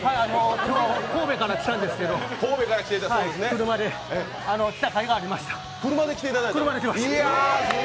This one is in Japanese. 今日神戸から来たんですけど、車で来たかいがありました。